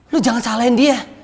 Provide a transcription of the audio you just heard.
lu jangan salahin dia